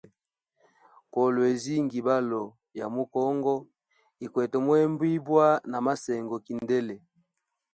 Kolwezi ngibalo ya mu kongo, ikwete muhembibwa na masengo kindele.